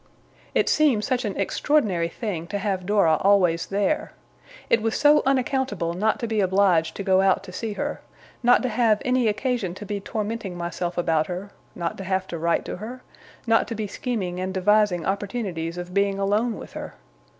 It seemed such an extraordinary thing to have Dora always there. It was so unaccountable not to be obliged to go out to see her, not to have any occasion to be tormenting myself about her, not to have to write to her, not to be scheming and devising opportunities of being alone with her.